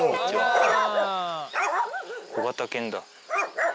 小型犬だ。